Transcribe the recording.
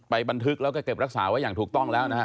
บันทึกแล้วก็เก็บรักษาไว้อย่างถูกต้องแล้วนะฮะ